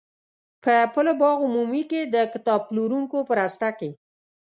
په پل باغ عمومي کې د کتاب پلورونکو په راسته کې.